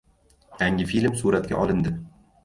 Yangi film suratga olindi